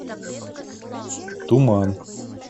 Туман.